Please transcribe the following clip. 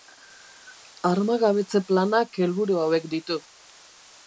Armagabetze planak helburu hauek ditu.